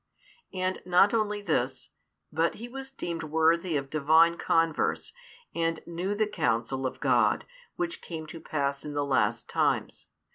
And not only this, but he was deemed worthy of Divine converse, and knew the counsel of God, which came to pass in the last times.